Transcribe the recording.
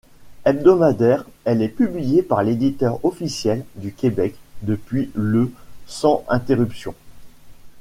Hebdomadaire, elle est publiée par l'Éditeur officiel du Québec depuis le sans interruption.